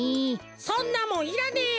そんなもんいらねえよ。